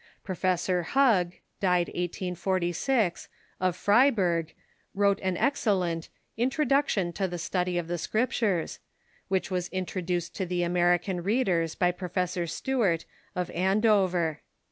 Professor Hug (died 1 846), of Freiburg, wrote an excel lent "Introduction to the Study of the Scriptures," which Avas introduced to American readers by Professor Stuart, of Ando ver.